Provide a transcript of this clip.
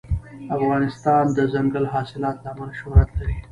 افغانستان د دځنګل حاصلات له امله شهرت لري.